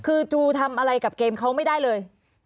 คือทรูทำอะไรกับเกมเขาไม่ได้เลย